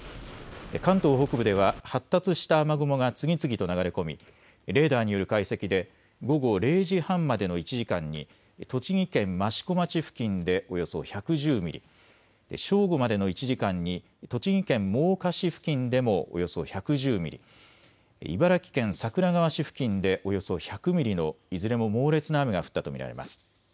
関東北部では発達した雨雲が次々と流れ込みレーダーによる解析で午後０時半までの１時間に栃木県益子町付近でおよそ１１０ミリ、正午までの１時間に栃木県真岡市付近でもおよそ１１０ミリ、茨城県桜川市付近でおよそ１００ミリのいずれも猛烈な雨が降ったと見られます。